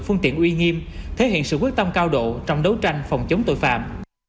phương tiện uy nghiêm thể hiện sự quyết tâm cao độ trong đấu tranh phòng chống tội phạm